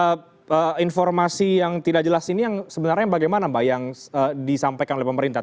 mbak dewi informasi yang tidak jelas ini sebenarnya bagaimana mbak yang disampaikan oleh pemerintah